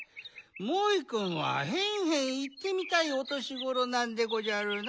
モイくんは「へんへん」いってみたいおとしごろなんでごじゃるな。